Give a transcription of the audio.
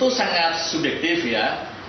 itu sangat subjektif ya